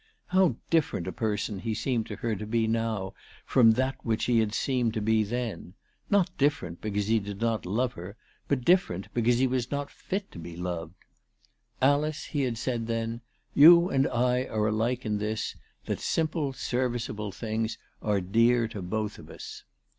How different a person he seemed to her to be now from that which he had seemed to be then ; not different because he did not love her, but different because he was not fit to be loved !" Alice," he had then said, " you and I are alike in this, that simple, serviceable things are dear to both of us."